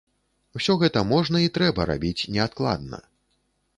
Усё гэта можна і трэба рабіць неадкладна.